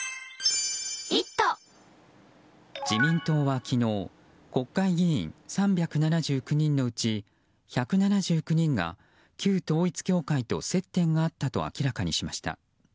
自民党は昨日国会議員３７９人のうち１７９人が旧統一教会と接点があったと明らかにしました。